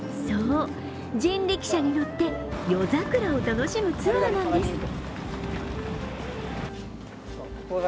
そう、人力車に乗って夜桜を楽しむツアーなんです。